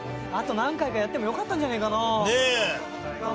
あと何回かやってもよかったんじゃないかな。ねぇ。